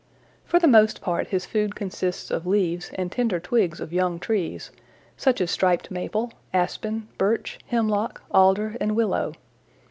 For the most part his food consists of leaves and tender twigs of young trees, such as striped maple, aspen, birch, hemlock, alder and willow.